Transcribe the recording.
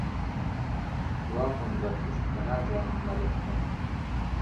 وا خۆم دەرخست کە نازانم مەلە بکەم.